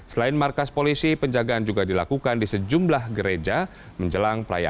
selain markas polisi penjagaan juga dilakukan di sejumlah gereja